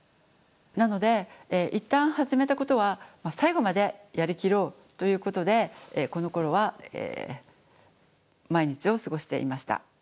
なのでいったん始めたことは最後までやりきろうということでこのころは毎日を過ごしていました。